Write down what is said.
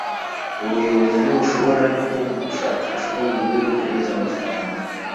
Ubuyobozi ntibushobora ariko gushakisha ubundi buryo bwo kwinjiza amafaranga.